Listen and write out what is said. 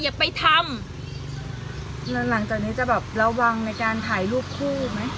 อย่าไปทำแล้วหลังจากนี้จะแบบระวังในการถ่ายรูปคู่ไหม